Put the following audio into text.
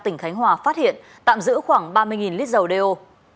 tỉnh khánh hòa phát hiện tạm giữ khoảng ba mươi lít dầu đeo